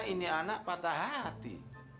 ini anak patah hati